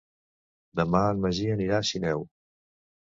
Demà en Magí anirà a Sineu.